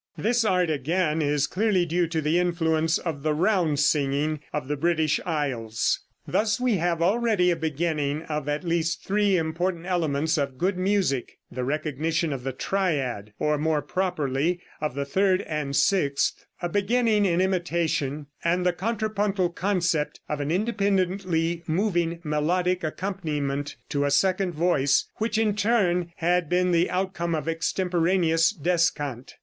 This art, again, is clearly due to the influence of the round singing of the British isles. Thus we have already a beginning of at least three important elements of good music: The recognition of the triad, or, more properly, of the third and sixth, a beginning in imitation, and the contrapuntal concept of an independently moving melodic accompaniment to a second voice, which in turn had been the outcome of extemporaneous descant.